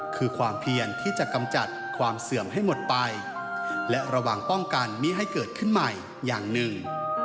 คือความเพียรที่จะกำจัดความเสื่อมให้หมดไปและระวังป้องกันไม่ให้เกิดขึ้นใหม่อย่างหนึ่ง